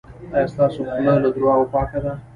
ایا ستاسو خوله له درواغو پاکه ده؟